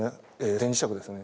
電磁石ですね。